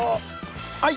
はい！